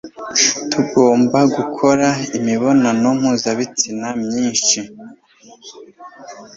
tugomba gukora imibonano mpuzabitsina myinshi